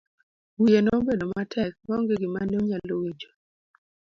Wiye nobedo matek ma onge gima ne onyalo winjo.